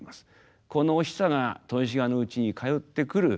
このお久が豊志賀のうちに通ってくる。